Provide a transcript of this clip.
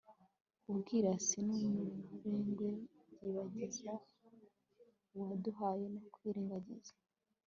ubwirasi n'umurengwe byibagiza uwaguhaye no kwirengagiza